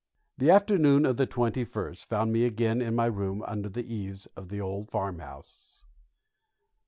The afternoon of the twenty first found me again in my room under the eaves of the old farmhouse.